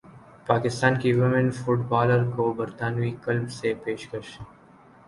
پاکستان کی women footballer کو برطانوی کلب سے پیشکش